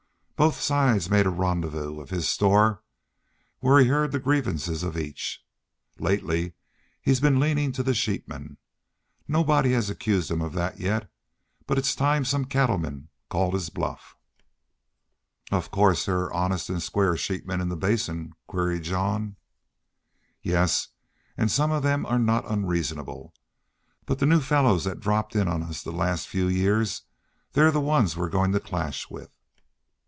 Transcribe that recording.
Both sides made a rendezvous of his store, where he heard the grievances of each. Laterly he's leanin' to the sheepmen. Nobody has accused him of that yet. But it's time some cattleman called his bluff." "Of course there are honest an' square sheepmen in the Basin?" queried Jean. "Yes, an' some of them are not unreasonable. But the new fellows that dropped in on us the last few year they're the ones we're goin' to clash with."